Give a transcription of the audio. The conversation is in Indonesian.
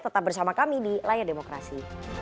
tetap bersama kami di layar demokrasi